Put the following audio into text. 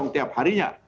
empat belas tiap harinya